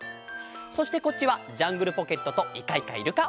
そしてこっちは「ジャングルポケット」と「イカイカイルカ」！